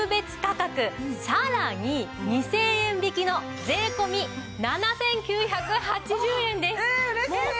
さらに２０００円引きの税込７９８０円です。